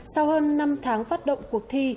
sau hơn năm tháng phát động cuộc thi